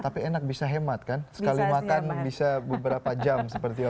tapi enak bisa hemat kan sekali makan bisa beberapa jam seperti itu